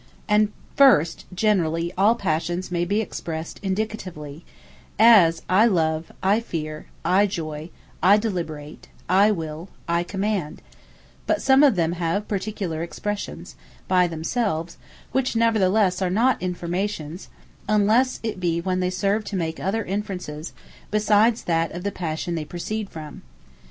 And first generally all Passions may be expressed Indicatively; as, I Love, I Feare, I Joy, I Deliberate, I Will, I Command: but some of them have particular expressions by themselves, which nevertheless are not affirmations, unless it be when they serve to make other inferences, besides that of the Passion they proceed from.